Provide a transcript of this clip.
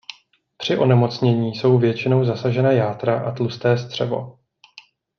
Při onemocnění jsou většinou zasažena játra a tlusté střevo.